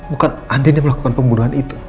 bukan ada yang melakukan pembunuhan itu